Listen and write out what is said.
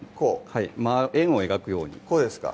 はい円を描くようにこうですか？